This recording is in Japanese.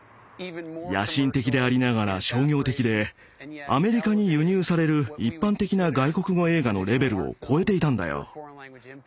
野心的でありながら商業的でアメリカに輸入される一般的な外国語映画のレベルを超えていたんだよ。